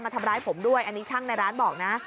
ทำร้ายผมด้วยอันนี้ช่างในร้านบอกนะ